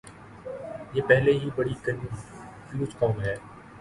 یہ پہلے ہی بڑی کنفیوز قوم ہے۔